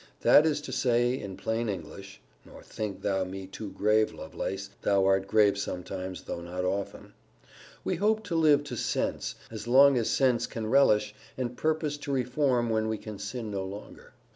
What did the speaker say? That is to say, in plain English, [nor think thou me too grave, Lovelace: thou art grave sometimes, though not often,] we hope to live to sense, as long as sense can relish, and purpose to reform when we can sin no longer.